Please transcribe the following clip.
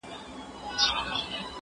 قلم وکاروه؟